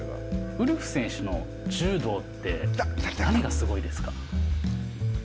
ウルフ選手の柔道って何がすごいですか？